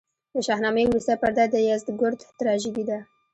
د شاهنامې وروستۍ پرده د یزدګُرد تراژیدي ده.